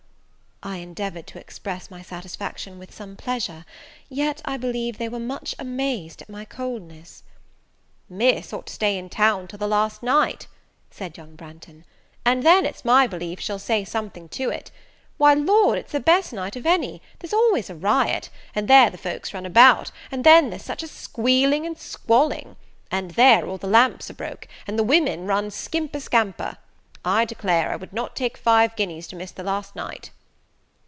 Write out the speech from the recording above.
I endeavoured to express my satisfaction with some pleasure; yet, I believe, they were much amazed at my coldness. "Miss ought to stay in town till the last night," said young Branghton; "and then, it's my belief, she'd say something to it! Why, Lord, it's the best night of any; there's always a riot, and there the folks run about, and then there's such squealing and squalling! and, there, all the lamps are broke, and the women run skimper scamper. I declare I would not take five guineas to miss the last night!"